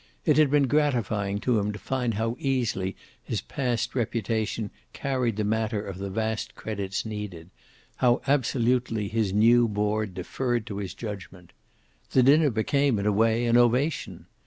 It had been gratifying to him to find how easily his past reputation carried the matter of the vast credits needed, how absolutely his new board deferred to his judgment. The dinner became, in a way, an ovation.